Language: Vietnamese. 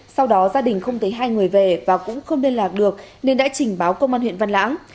sau đó gia đình không thấy hai người về và cũng không liên lạc được nên đã trình báo công an huyện văn lãng